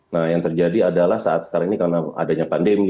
nah yang terjadi adalah saat sekarang ini karena adanya pandemi